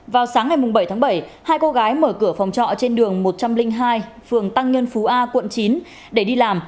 vào sáng ngày bảy tháng bảy hai cô gái mở cửa phòng trọ trên đường một trăm linh hai phường tăng nhân phú a quận chín để đi làm